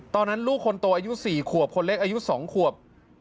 ตอนนั้นลูกคนโตอายุ๔ขวบคนเล็กอายุ๒ขวบ